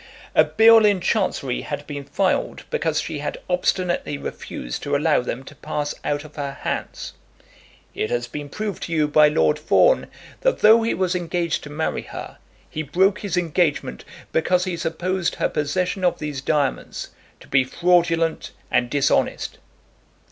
A bill in Chancery had been filed because she had obstinately refused to allow them to pass out of her hands. It has been proved to you by Lord Fawn that though he was engaged to marry her, he broke his engagement because he supposed her possession of these diamonds to be fraudulent and dishonest."